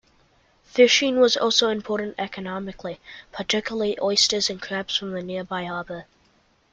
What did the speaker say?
Fishing was also important economically; particularly oysters and crabs from the nearby harbour.